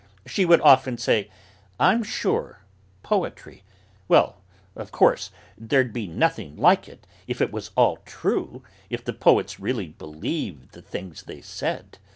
She would often say: "I'm sure, poetry; well, of course, there'd be nothing like it if it was all true, if the poets really believed the things they said.